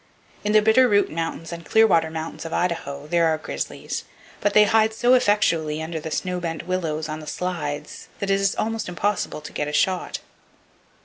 In the Bitter Root Mountains and Clearwater Mountains of Idaho, there are grizzlies, but they hide so effectually under the snow bent willows on the "slides" that it is almost impossible to get a shot.